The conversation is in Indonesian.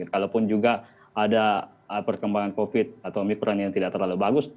kalaupun juga ada perkembangan covid atau omikron yang tidak terlalu bagus